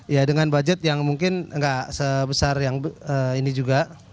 ya dengan budget yang mungkin nggak sebesar yang ini juga